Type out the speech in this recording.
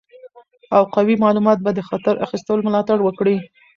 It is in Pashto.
او قوي معلومات به د خطر اخیستلو ملاتړ وکړي.